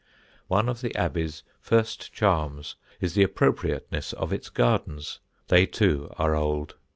One of the Abbey's first charms is the appropriateness of its gardens; they too are old.